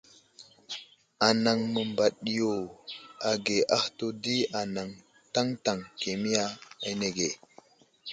Anaŋ məbaɗeŋiyo age ahtu di anaŋ taŋtaŋ kemiya anege.